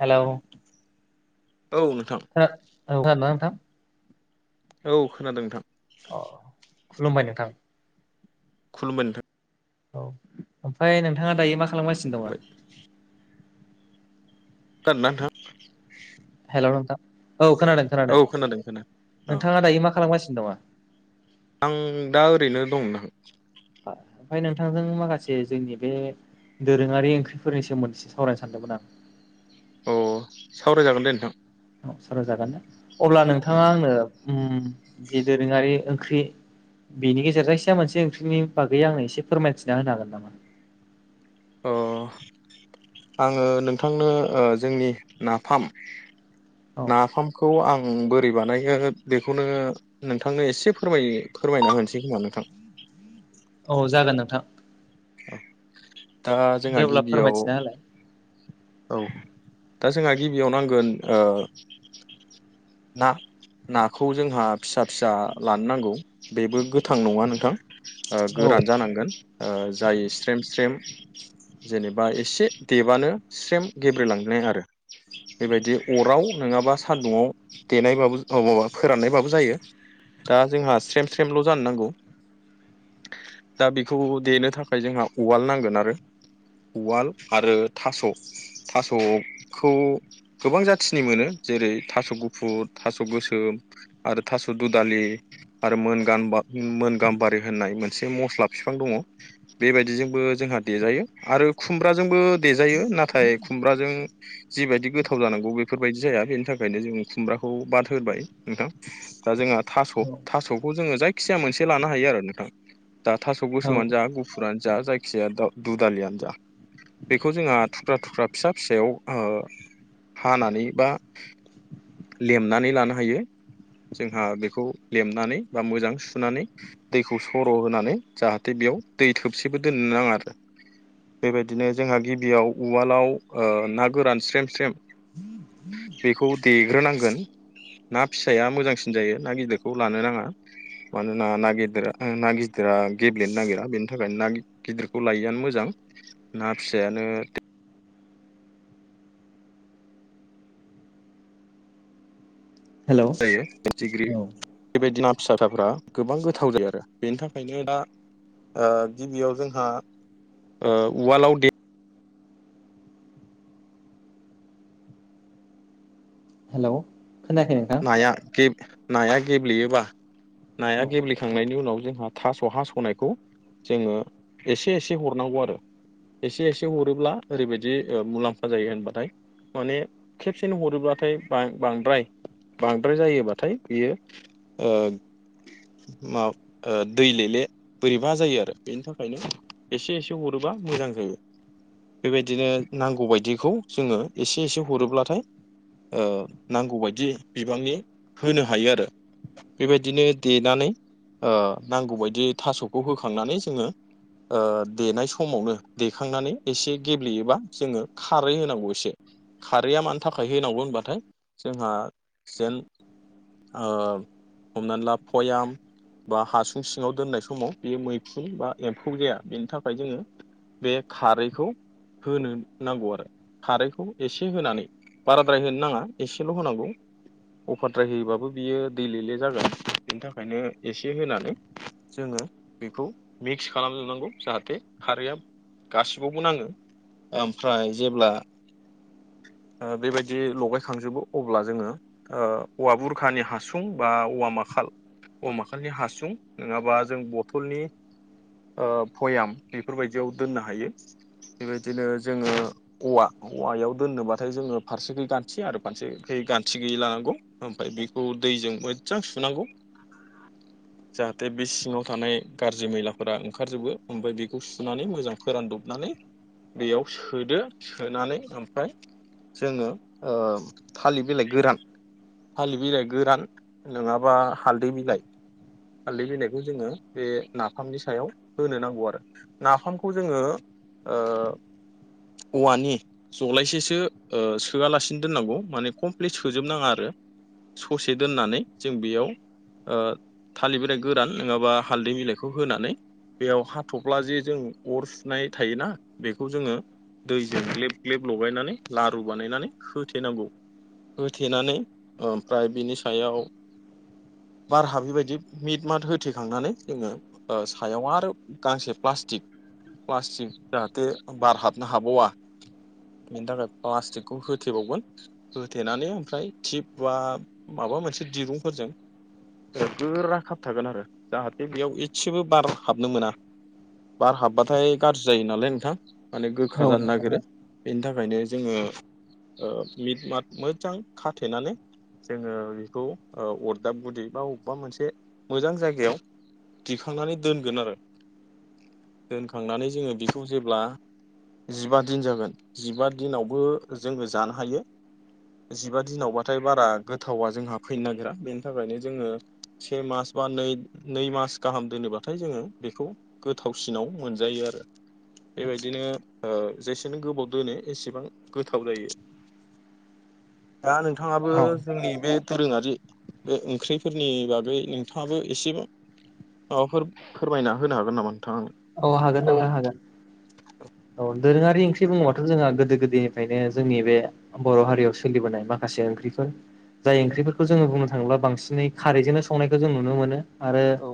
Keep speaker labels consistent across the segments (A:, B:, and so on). A: Hello
B: औ नोंथां
A: थोट औ [inaudible] ना नोंथां
B: औ खोनादों नोंथां।
A: अ खुलुमबाय नोंथां।
B: खुलमबाय नोंथां।
A: औ ओमफाय नोंथाङा दायो मा खालामगासिनो
B: नोंथां खुलुमबाय
A: दङ
B: खोनादों ना नोंथां
A: था औ खोनादों खोनादों
B: औ खोनादों औ
A: नोंथाङा दायो मा खालामगासिनो दङ?
B: आं दा ओरैनो दं नां
A: ओमफ्राय नोंथांजों माखासे जोंनि बे दोरोङारि ओंख्रिफोरनि सोमोन्दैसे सावरायनो सानदोंमोन आं
B: अ' सावरायजागोन दे नोंथां।
A: स जागोन ना अब्ला नोंथाङा आंनो ओम जि दोरोङारि ओंख्रि बेनि गेजेरजों सेया मोनसे ओंख्रिनि बागै आङो एसे फोरमायथिना होनो हागोन नामा?
B: अ आङो नोंथांनो ओ जोंनि नाफाम नाफामखौ आं ओम बोरै बानायगो बेखौनो नोंथांनो एसे फोरमाय फोरमायना होनोसै खोमा नोंथां
A: औ जागोन नोंथां।
B: दा
A: दे
B: जोंहा
A: अब्ला
B: गिबियाव
A: फोरमायथिना होलाय
B: औ दा जोंहा गिबियाव नांगोन ओ ना नाखौ जोंहा फिसा- फिसा लानो नांगौ बेबो गोथां नङा नोंथां । ओ गोरान
A: औ
B: जानांगोन ओ जाय स्रेम स्रेम जेनेबा एसे देबानो स्रेम गेब्रेलांनाय आरो बेबायदि अराव नङाबा सान्दुंआव देनायबाबो अ माबा फोराननायबाबो जायो । दा जोंहा स्रेम स्रेमल' जानो नांगौ दा बेखौ देनो थाखाय जोंहा उवाल नांगोन आरो उवाल आरो थास' थास'खौ गोबां जाथिनि मोनो जेर-' थास' गु फुट, थास' गोसोम आरो थास' दुदालि आरो मोनगानबा मोन गाम्बारी दो होननाय मोनसे मस्ला बिफां दङ बेबायदि जोंबो दे जायो आरो खुमब्राजोंबो देजायो नाथाय खुमब्राजों जिबायदि गोथाव जानांगौ बेफोरबायदि जाया बेनि थाखायनो जों खुमब्राखौ बादहोबाय नोंथां । दा जोंहा थास' थास'खौ जोङो जायखिजाया मोनसे लानो हायो आरो नोंथां दा थास'
A: औ
B: गोसोमानो जा, गुफुरानो जा जायखिजाया दा दुदालियानो जा । बेखौ जोंहा थुख्रा-थुख्रा फिसा फिसायाव ओ हानानै बा लेमनानै लानो हायो जोंहा बेखौ लेमनानै बा मोजां सुनानै दैखौ सर' होनानै जाहाथे बे बेयाव दै थोबसेबो दोननो नाङा आरो । बेबायदिनो जोंहा गिबियाव उवालाव ओ ना गोरान स्रेम स्रेम बेखौ देग्रोनां गोन ना फिसाया मोजांसिन जायो ना गिदिरखौ लानो नाङा मानोना ना गिदेरा ना गिदिरा गेब्लेनो नागिरा बेनि थाखायनो ना गिदिरखौ लायैआनो मोजां । ना फिसायानो दे
A: हेलौ
B: जायो फिथिग्रि
A: औ
B: बे बायदि ना फिसााथाफ्रा गोबां गोथाव जायो आरो बेनि थाखायनो दा ओ गिबियाव जोंहा ओ उवालाव दे
A: हेलौ खोनायाखै नोंथां
B: नाया गेब नाया गेब्लेयोबा नाया
A: औ
B: गेब्लेखांनायनि उनाव जोंहा थास' हास'नायखौ जोङो एसे एसे हरनांगौ आरो एसे एसे हरोब्ला ओरैबायदि ओ मुलाम्फा जायो होनबाथाय माने खेबसेनो हरोब्लाथाय बां बांद्राय बांद्राय जायोबाथाय बियो ओ मा ओ दैलेले बोरैबा जायो आरो बेनि थाखायनो एसे एसे ह हरोबा मोजां जायो। बे बायदिनो नांगौबायदिखौ जोङो एसे एसे हरोब्लाथाय ओ नांगौबायदि बिबांनि होनो हायो आरो बे बायदिनो देनानै ओ नांगौ बायदि थास'खौ होखांनानै जोङो ओ देनाय समावनो देखांनानै एसे गेब्लेयोबा जोङो खारै होनांगौ एसे । खारैया मानि थाखाय होनांगौ होनबाथाय जोंहा जेन ओ हमनानै ला प'याम बा हासुं सिङाव दोननाय समाव बेयो मैखुन बा एम्फौ जाया बेनि थाखाय जोङो बे खारैखौ होनो नांगौ आरो । खारैखौ एसे होनानै बाराद्राय होनो नाङा एसेल' होनांगौ अभार द्राय होयोबाबो बियो दैलेले जागोन बिनि थाखायनो एसे होनानै जोङो बेखौ मिक्स खालामजोबनांगौ जाहाथे खारैआ गासिबावबो नाङो ओमफ्राय जेब्ला ओ बे बायदि लगायखांजोबो अब्ला जोङो ओ औवा बुरखानि हासुं बा औवा माखाल औवा माखालनि हासुं नङाबा जों बथलनि ओ भयाम बेफोर बायदियाव दोननो हायो। बे बायदिनो जोङो औवा औवायाव दोननोबाथाय जोङो फारसेखै गान्थि आरो फारसेखै गान थि गैयै लानांगौ ओमफ्राय बेखौ दैजों मोजां सुनांगौ
A: [inaudible]
B: जाहाथे बे सिङाव थानाय गाज्रि मैलाफोरा ओंखारजोबो ओमफ्राय बेखौ सुनानै मोजां फोरानदबनानै बेयाव सोदो सोनानै ओमफ्राय जोङो ओ थालिर बिलाइ गोरान फालि बिलाइ गोरान नङाबा हालदै बिलाइ हालदै बिलाइखौ जोङो बे नाफामनि सायाव होनो नांगौ आरो नाफामखौ जोङो ओ औवानि जलायसेसो ओ सोलासिनो दोननांगौ माने खम प्ललि सोजोब नाङा आरो ससे दोननानै जों बेयाव ओ थालिर बिलाइ गोरान नङाबा हालदै बिलाइखौ होनानै बेयाव हाथब्ला जे जों अर सुनाय थायोना बेखौ जोङो दैजों ग्लेब ग्लेब लगायनानै लारु बानायनानै होथेनांगौ होथेनानै ओमफ्राय बिनि सायाव
A: [inaudible]
B: बारहा बेबायदि मिट मात होथेखांनानै जोङो सायाव आरो गांसे प्लास्टिक प्लास्टिक जाहाथे बार हाबनो हाबावा बेनि थाखाय प्लास्टिकखौ होथेबावगोन होथेनानै ओमफ्राय थिप बा माबा मोनसे दिरुंफोरजों गोरा खाब थागोन आरो जाहाथे बेयाव एसेबो बार हाबनो मोना बार हाबबाथाय गाज्रि जायो नालाय नोंथां माने
A: औ
B: गोखा जानो
A: नोंथां
B: नागिरो बेनि थाखायनो जोङो मिट मात मोजां खाथेनानै जोङो बेखौ अरदाब गुदि बा अबेबा मोनसे मोजां जायगायाव दिखांनानै दोनगोन आरो दोनखांनानै जोङो बेखौ जेब्ला जिबा दिन जागोन जिबा दिनावबो जोङो जानो हायो
A: [unintelligible]
B: जिबा दिनावबाथाय बारा गोथावा जोंहा फैनो नागिरा बेनि थाखायनो जोङो से मास बा नै नै नै मास गाहाम दोनोबाथाय जोङो बेखौ गोथावसिनाव मोनजायो आरो
A: आदसा
B: बेबायदिनो ओ जेसेनो गोबाव दोनो एसेबां गोथाव जायो दा नोंथाङाबो
A: औ
B: जोंनि बे दोरोङारि बे ओंख्रिफोरनि बागै नोंथाङाबो एसे औ फोरमाय फोरमायना होनो हागोन नामा नोंथां आंनो?
A: औ हागोन नोंथां हागोन औ दोरोङारि ओंख्रि बुङोब्लााथ' जोंहा गोदो गोदायनिफ्रायनो जोंनि बे बर' हारियाव सोलिबोनाय माखासे ओंख्रिफोर जाय ओंख्रिफोरखौ जोङो बुंनो थाङोब्ला बांसिनै खारैजोंनो संनायखौ जों नुनो मोनो आरो
B: औ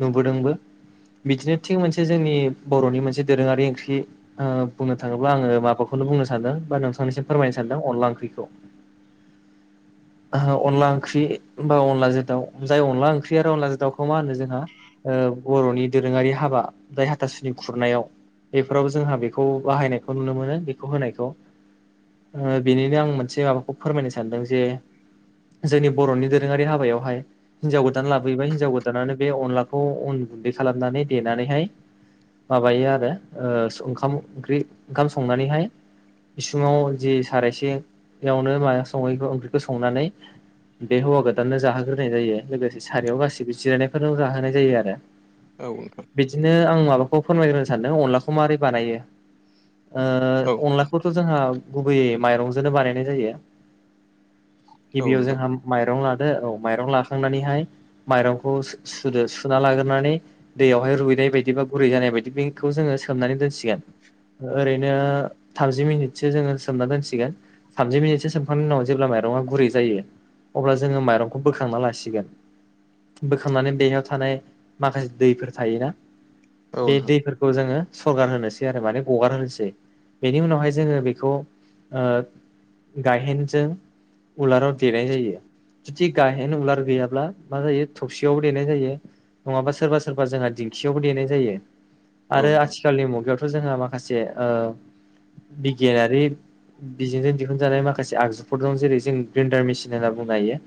A: नुबोदोंबो बिदिनो थिग मोनसे नसे जोंनि बर'नि मोनसे दोरोङारि ओंख्रि बुंनो थाङोब्ला आङो माबाखौनो बुंनो सानदों बा नों नोंथां निसिम फोरमायनो सानदों अनला ओंख्रिखौ ओहो अनला ओंख्रि बा अनलाजों दाव जाय अनला ओंख्रि आरो अनलाजों दाउखौ मा होनो जोंहा ओ ओ बर'नि दोरोङारि हाबा जाय हाथासुनि खुरनायाव बेफोराव जोंहा बेखौ बाहायनायखौ नुनो मोनो बेखौ होनायखौ ओ बेनिनो आं मोनसे माबाखौ फोरमायनो सानदों जे जोंनि बर'नि दोरोङारि हाबायावहाय हिनजाव गोदान लाबोयोबाय हिनजाव गोदानानो बे अनलाखौ अन गुन्दै खालामनानै देनानैहाय माबायो आरो ओ स ओंखाम ओंख्रि ओंखाम संनानैहाय इसुङाव जिं सारायसेयावनो मा सङैखौ ओंख्रिखौ संनानै बे हौवा गोदाननो जाहोग्रोनाय जायो लोगोसे सारियाव गासैबो जिरायनायफोरनो जाहोनाय जायो आरो
B: औ नोंथां
A: बिदिनो आं माबाखौ फोरमायग्रोनो सानदों अनलाखौ माबारै बानायो
B: औ
A: ओ अनलाखौथ' जोंहा गुबैयै माइरंजोंनो बानायनाय जायो
B: औ
A: गिबियाव
B: नोंथां
A: जोंहा माइरं लाना ओ औ माइरं लाखांनानैहाय माइरंखौ सु सुदो सुना लागोरनानै दैयावहाय रुनाय बायदि बा गुरै जानाय बायदि बेखौ जो सोमनानै दोनसिगोन ओरैनो थामजि मिनिटसो जोङो सोमना दोनसिगोन थामजि मिनिटसो सोमखांनायनि उनाव जेब्ला माइ रंआ गुरै जायो अब्ला जोङो माइरंखौ बोखांना लासिगोन बोखांनानै बेहयाव थानाय माखासे दैफोर थायोना
B: औ
A: बे
B: नोंथां
A: दैफोरखौ जोङो सरगार होनोसै आरो माने गगार होनोसै बेनि उनावहाय जोङो बेखौ गायहेनजों उलाराव देनाय जायो जुदि गाहेन उलार गैयाब्ला मा जायो थबसियावबो देनाय जायो नङाबा सोरबा सोरबा जोंहा दिंखियावबो देनाय जायो
B: औ
A: आरो
B: नोंथां
A: आथिखालनि मुगायावथ' जोंहा माखासे ओ बिगियानारि बिजोंजों दिहुनजानाय माखासे आगजुफोर दं जेरै जों ग्रेन्डार मेसिन होनना बुंनो हायो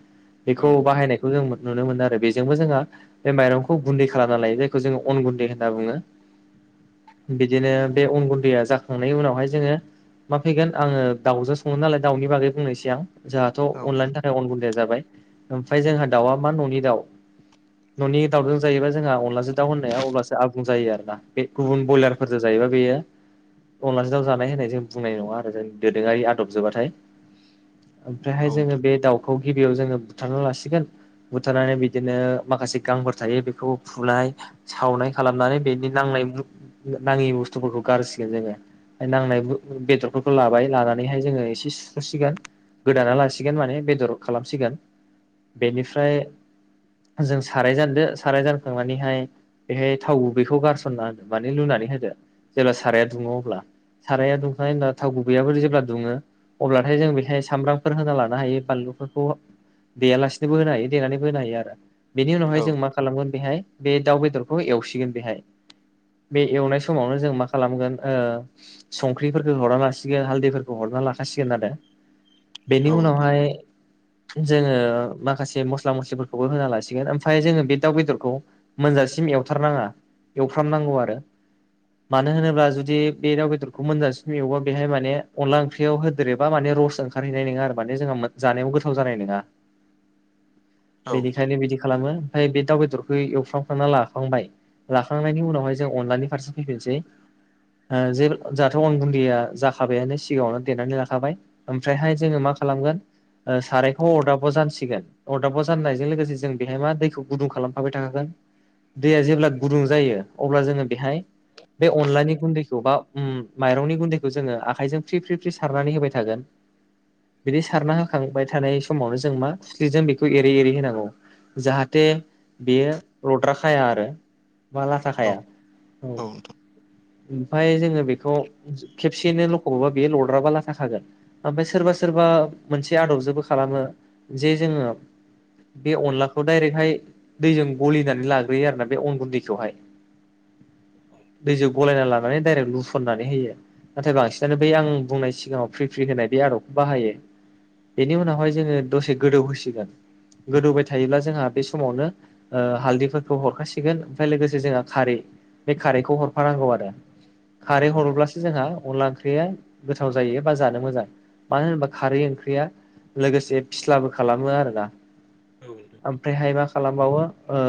B: औ
A: बेखौ बाहायनायखौ जों नुनो मोनो आरो बेजोंबो जोंहा बे माइरंखौ गुन्दै खालामना लायो जा खौ जोङो अन गुन्दै होनना बुङो बिदिनो बे अन गुन्दैया जाखांनायनि उनावहाय जोङो मा फैगोन आङो दाउजो सङो नालाय दाउनि बागै बुंनोसै आं जोंहाथ'
B: नोंथां
A: अनलाइनि थाखाय अन गुन्दाया जाबाय ओमफ्राय जोंहा दाउआ मा न'नि दाउ न'नि दाउजों जायोबा जोंहा अनलाजों दाव होननाया अब्लासो आबुं जायो आरोना बे गुबुन
B: औ
A: ब्यलारफोरजों जायोबा बेयो अनलाजों दाव जानाय होनाय जों बुंनाय नङा आरो जों दोरोङरारि आदब जोबाथाय ओमफ्रायहाय
B: औ
A: जोङो
B: नोंथां
A: बे दाउखौ गिबियाव जोङो बुथारना लासिगोन बुथारनानै बिदिनो माखासे गांफोर थायो बेखौ फुनाय सावनाय खालामनानै बेनि नांनाय नाङि बुस्थुफोरखौ गारसिगोन जोङो नांनाय बेदरफोरखौ लाबाय लानानैहाय जोङो एसे सुस'सिगोन गोदाना लासिगोन माने बेदर खालामसिगोन बेनिफ्राय जों साराय जानदो साराय जानखांनानैहाय बेहाय थाव गुबैखौ गारसनना होदो माने लुनानै होदो जेब्ला साराया दुङो अब्ला साराया दुंखानाय होनब्ला थाव गुबैयफोर जेब्ला दुङो अब्लाथाय जों बेहाय सामब्रामफोर होना लानो हायो बानलुफोरखौ गेयालासिनोबो होनो हायो देनानैबो होनो हायो आरो बेनि उनावहाय जों मा खालामगोन बेहाय बे दाउ बेदरखौ एवसिगोन बेहाय बे एवनाय समावनो जों मा खालामगोन ओ संख्रिफोरखौ हरना लासिगोन हालदैफोरखौ हर लाखासिगोन
B: औ
A: बेनि
B: नोंथां
A: उनावहाय जोङो माखासे मस्ला मस्लिफोरखौबो होना लासिगोन ओमफ्राय जोङो बे दाउ बेदरखौ मोनजासिम एवथारनाङा एवफ्रामनांगौ आरो मानो होनोब्ला जुदि बे दाउ बेदरखौ मोनजांसिन एवबा बेहाय माने अनला ओंख्रियाव होदेरोबा माने रस ओंखारहैनाय नङा आरो माने जोंहा जानायाव गोथाव जानाय नङा
B: औ
A: बेनिखायनो बिदि खालामो ओमफ्राय बे दाउ बेदरखौ एवफ्रांम खांना लाखांबाय लाखांनायनि उनावहाय जों अनलानि फारसे फैफिनसै ओ जे जाहाथ' अन गुन्दैया जाखाबायानो सिगाङावनो देनानै लाखाबाय ओमफ्रायहाय जोङो मा मा खालामगोन सारायखौ अरदाबाव जानसिगोन अरदाबाव जाननायजों लोगोसे जों बेहाय मा दैखौ गुदुं खालामफाबाय थाखागोन दैया जेब्ला गुदुं जायो अब्ला जोङो बेहाय बे अनलानि गुन्दैखौ बा उ माइरंनि गुन्दैखौ जोङो आखायजों फ्रि फ्रि फ्रि सारनानै होबाय थागोन बिदि सारना होखांबाय थानाय समावनो जों मा खोस्लिजों बेखौ एरै एरै होनांगौ जाहाथे बेयो लद्राखाया आरो बा
B: औ
A: लाथाखाया औ ओमफफ्राय जोङो बेखौ खेबसेयैनो लख'बबा बेयो लरद्राबा लाथाखागोन ओमफ्राय सोरबा सोर सोरबा मोनसे आदबजोंबो खालामो जे जोङो बे अनलाखौ डायरेक्टहाय दैजों गलिनानै लाग्रोयो आरोना बे अन गुन्दैखौहाय दैजों गलायनानै ल माने डाइरेक्ट लुसनानै होयो नाथाय बांसिनानो बै आं बुंनाय सिगाङाव फ्रि फ्रि होनाय बे आदबखौ बाहायो बेनि उनावहाय जोङो दसे गोदौ होसिगोन गोदौबाय थायोब्ला जोंहा बे समावनो ओ हालदैफोरखौ हरखासिगोन ओमफ्राय लोगोसे जोंहा खारै बे खारैखौ हरफानांगौ आरो खारै हरोब्लासो जोंहा अनला ओंख्रिया गोथाव जायो बा जानो मोजां मानो होनोबा खारै ओंख्रिया लोगोसे फिस्लाबो खालामो आरोना
B: औ नोंथां।
A: ओमफ्रायहाय मा खालामबावो ओ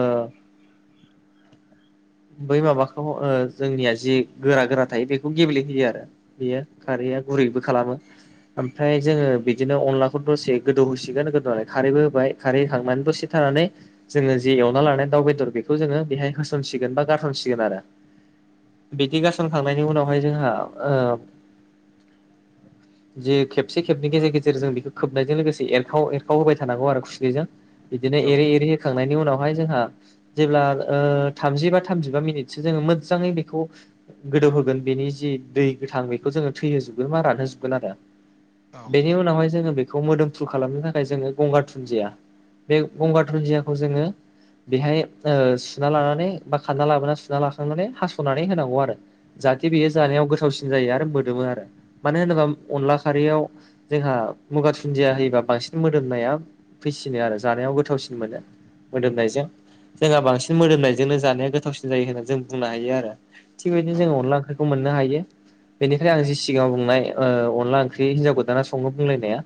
A: बै माबाखौ ओ जोंनिया जि गोरा गोरा थायो बेखौ गेबलेहोयो आरो बेयो खारैया गुरैबो खालामो ओमफ्राय जोङो बिदिनो अनलाखौ दसे गोदौ होसिगोन गोदौनानै खारैबो होबाय खारै खांनानै दसे था नानै जोङो जि एवना लानाय दाउ बेदर बेखौ जोङो बेहाय होसनसिगोन बा गारस'नसिगोन आरो बिदि गारसनखांनायनि उनावहाय जोंहा ओ जे खेबसे खेबनै गेजेर गेजेरजों बेखौ खोबनायजों लोगोसे एरखाव एरखाव होबाय थानांगौ आरो खोस्लिजों बिदिनो
B: औ
A: एरै एरै होखांनायनि उनाव ओमफाय जोंहा जेब्ला ओ थामजि बा थामजिबा मिनितसो जोङो मोजाङै बेखौ गो गोदौ होगोन बेनि जि दै गोथां बेखौ जोङो थैहोजोबगोन मा रानहोजोबगोन आरो
B: औ
A: बेनि उनावहाय जोङो बेखौ मोदोम फ्रु खालामनो थाखाय जोङो गंगार दुनन्दिया बे गंगार दुनन्दियाखौ जोङो बेहाय ओ सुना लानानै बा खाना लाबोना सुना लाखांनानै हास'नानै होनांगौ आरो जाहाथे बेयो
B: औ
A: जानायाव गोथावसिन जायो आरो मोदोमो आरो मानो होनोबा अनला खारैयाव जोंहा मगार दुन्दिया होयोबा बांसिन बांसिन मोदोमनाया फैसिनो आरो जानायाव गोथावसिन मोनो मोदोमनायजों जोंहा बांसिन मोदोमनायजोंनो जानाया गोथावसिन जायो होननानै जों बुंनो हायो आरो थिगबायदिनो
B: औ
A: जों अनला ओंख्रिखौ मोन नो हायो बेनिखायनो आं जि सिगाङाव बुंनाय अनला ओंख्रि हिनजाव गोदाना सङो बुंलायनाया